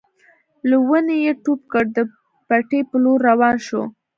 له ونې يې ټوپ کړ د پټي په لور روان شو.